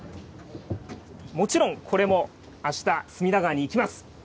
もちろん、これもあした、隅田川に行きます。